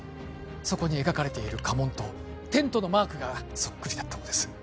そこに描かれている家紋とテントのマークがそっくりだったのです